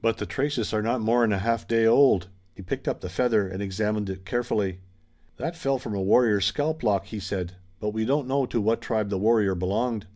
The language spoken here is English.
But the traces are not more'n a half day old." He picked up the feather and examined it carefully. "That fell from a warrior's scalplock," he said, "but we don't know to what tribe the warrior belonged."